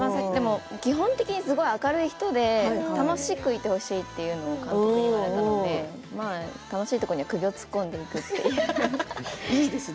基本的にすごく明るい人で楽しくいてほしいということが監督から言われて楽しいところに首を突っ込んでいくという感じですね。